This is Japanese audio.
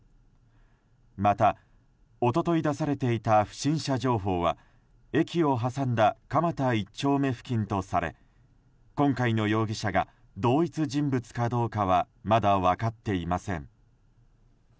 また、一昨日出されていた不審者情報は駅を挟んだ蒲田１丁目付近とされ今回の容疑者が同一人物かどうかはまだ分かっていません。